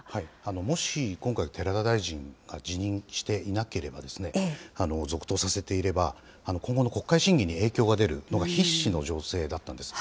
もし今回、寺田大臣辞任していなければ、続投させていれば、今後の国会審議に影響が出るのが必至の情勢だったんです。